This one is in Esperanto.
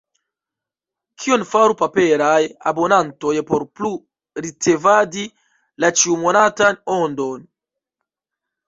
Kion faru paperaj abonantoj por plu ricevadi la ĉiumonatan Ondon?